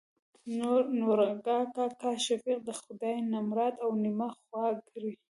نورګا کاکا : شفيق د خداى نمراد او نيمه خوا کړي.